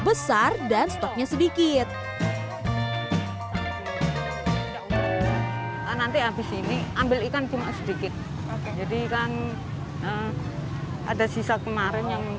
besar dan stoknya sedikit nanti habis ini ambil ikan cuma sedikit oke jadi kan ada sisa kemarin yang